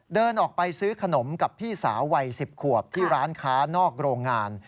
เดินออกไปซื้อขนมกับพี่สาววัย๑๐ขวบที่ร้านค้านอกโรงงาน